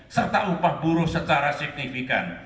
serta upah buruh secara signifikan